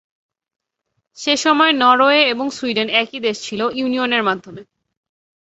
সেসময় নরওয়ে এবং সুইডেন একই দেশ ছিলো ইউনিয়নের মাধ্যমে।